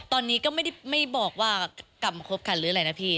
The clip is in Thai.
ตอนนี้ก็ไม่ได้บอกว่ากลับมาคบกันหรืออะไรนะพี่